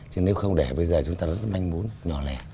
chứ nếu không để bây giờ chúng ta rất là manh muốn nhỏ lẻ